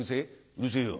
「うるせぇよ」